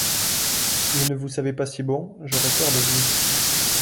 Si je ne vous savais pas si bon, j’aurais peur de vous.